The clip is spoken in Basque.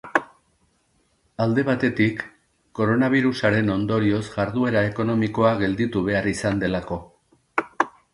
Alde batetik, koronabirusaren ondorioz jarduera ekonomikoa gelditu behar izan delako.